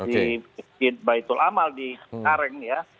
di masjid baitul amal di kareng ya